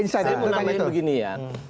saya mau nanyain begini ya